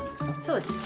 そうですね。